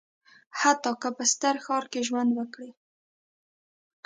حتی که په ستر ښار کې ژوند وکړي.